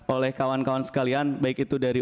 oleh kawan kawan sekalian baik itu dari